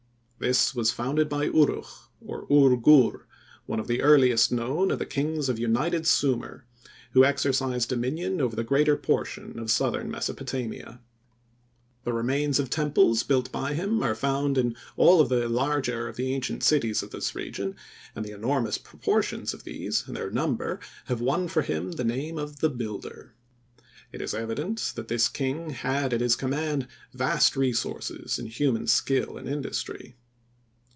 This was founded by Urukh, or Ur Gur, one of the earliest known of the kings of united Sumir, who exercised dominion over the greater portion of southern Mesopotamia. The remains of temples built by him are found in all the larger of the ancient cities of this region and the enormous proportions of these and their number have won for him the name of "The Builder." It is evident that this king had at his command vast resources in human skill and industry.